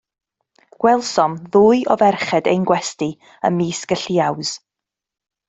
Gwelsom ddwy o ferched ein gwesty ymysg y lliaws.